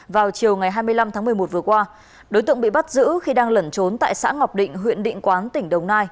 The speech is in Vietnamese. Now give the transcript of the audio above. vào chiều ngày hai mươi năm tháng một mươi một vừa qua đối tượng bị bắt giữ khi đang lẩn trốn tại xã ngọc định huyện định quán tỉnh đồng nai